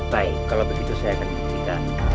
baik kalau begitu saya akan buktikan